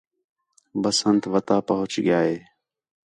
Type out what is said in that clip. بسنت وتہ پہچ ڳِیا ہِے